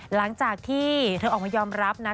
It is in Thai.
หลังจากที่เธอออกมายอมรับนะ